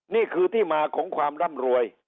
นี่คือที่มาของความร่ำรวย